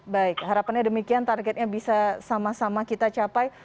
baik harapannya demikian targetnya bisa sama sama kita capai